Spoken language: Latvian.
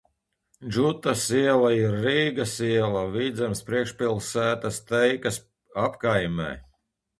Džutas iela ir Rīgas iela, Vidzemes priekšpilsētas Teikas apkaimē.